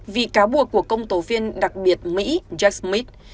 vì cáo buộc của công tố viên đặc biệt mỹ jack smith